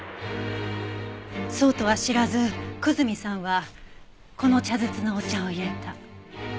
そうとは知らず久住さんはこの茶筒のお茶を淹れた。